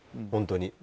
本当に。